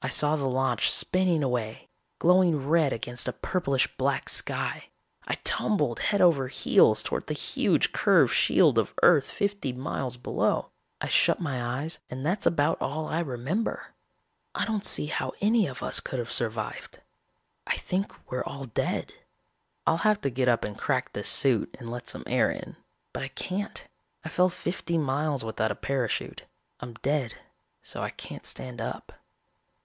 "I saw the launch spinning away, glowing red against a purplish black sky. I tumbled head over heels towards the huge curved shield of earth fifty miles below. I shut my eyes and that's about all I remember. I don't see how any of us could have survived. I think we're all dead. "I'll have to get up and crack this suit and let some air in. But I can't. I fell fifty miles without a parachute. I'm dead so I can't stand up."